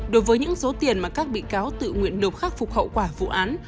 đối với những số tiền mà các bị cáo tự nguyện nộp khắc phục hậu quả vụ án